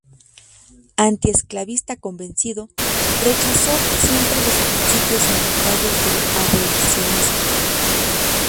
Anti-esclavista convencido, rechazó siempre los principios humanitarios del abolicionismo.